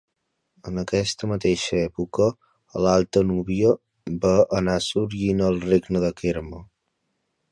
En aquesta mateixa època, a l'Alta Nubia, va anar sorgint el Regne de Kerma.